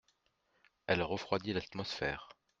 Elle refroidit l’atmosphère.